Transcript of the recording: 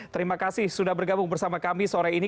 terima kasih sudah bergabung bersama kami sore ini